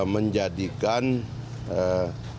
menjadikan fahri yang tersebut seorang pembohong dan pembohong